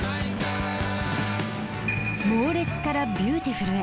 モーレツからビューティフルへ。